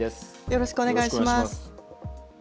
よろしくお願いします。